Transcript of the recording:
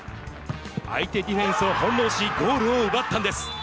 相手ディフェンスを翻弄し、ゴールを奪ったんです。